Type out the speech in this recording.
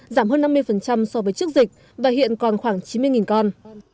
giảm hơn năm mươi so với trước dịch và hiện còn khoảng chín mươi con